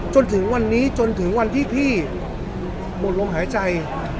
จนถึงวันนี้จนถึงวันที่พี่หมดลมหายใจ